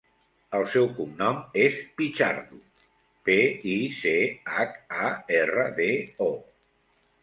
El seu cognom és Pichardo: pe, i, ce, hac, a, erra, de, o.